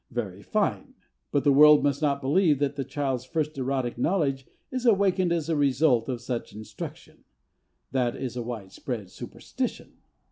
Very fine! But the world must not believe that the child's first erotic knowledge is awakened as a result of such instruction. That is a widespread superstition.